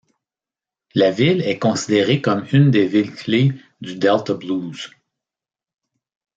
La ville est considérée comme une des villes clés du Delta blues.